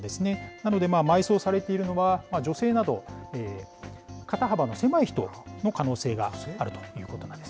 なので埋葬されているのは、女性など、肩幅の狭い人の可能性があるということなんです。